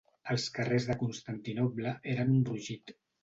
Els carrers de Constantinoble eren un brogit.